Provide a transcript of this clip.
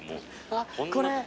あっこれ。